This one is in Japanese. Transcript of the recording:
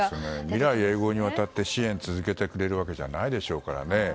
未来永劫にわたって支援を続けてくれるわけじゃないでしょうからね。